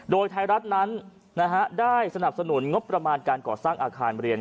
โดยไทยรัฐนั้นได้สนับสนุนงบประมาณการก่อสร้างอาคารเรียน